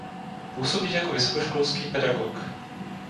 Působí jako vysokoškolský pedagog.